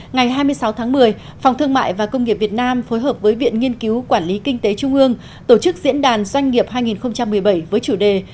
ngày hai mươi sáu tháng một mươi phòng thương mại và công nghiệp việt nam phối hợp với viện nghiên cứu quản lý kinh tế trung ương tổ chức diễn đàn doanh nghiệp hai nghìn một mươi bảy với chủ đề